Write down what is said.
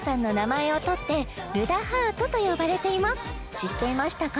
知っていましたか？